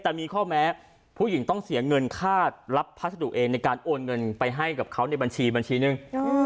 แต่มีข้อแม้ผู้หญิงต้องเสียเงินค่ารับพัสดุเองในการโอนเงินไปให้กับเขาในบัญชีบัญชีหนึ่ง